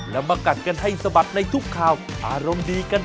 รู้จักมั้ยผู้ลาบังคัน